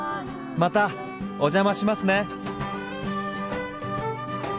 またお邪魔しますね。